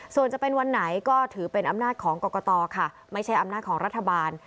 ส่วนจะเป็นวันไหนก็ถือเป็นอำนาจของกรกตค่ะไม่ใช่อำนาจของรัฐบาล